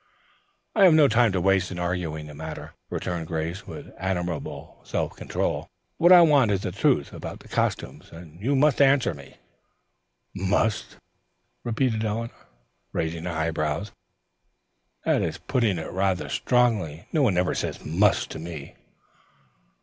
"I have no time to waste in arguing the matter," returned Grace with admirable self control. "What I want is the truth about the costumes and you must answer me." "'Must,'" repeated Eleanor, raising her eyebrows. "That is putting it rather strongly. No one ever says 'must' to me."